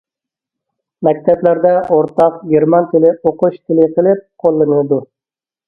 مەكتەپلەردە ئورتاق گېرمان تىلى ئۇقۇش تىلى قىلىپ قوللىنىدۇ.